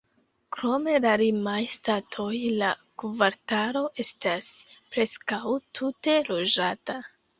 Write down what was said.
Krom la limaj stratoj, la kvartalo estas preskaŭ tute loĝata.